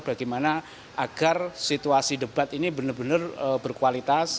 bagaimana agar situasi debat ini benar benar berkualitas